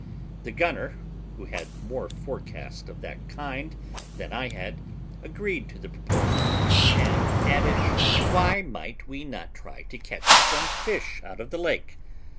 The gunner, who had more forecast of that kind than I had, agreed to the proposal, and added, why might we not try to catch some fish out of the lake?